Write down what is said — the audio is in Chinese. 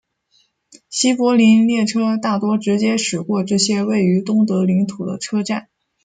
西柏林列车大多直接驶过这些位于东德领土的车站。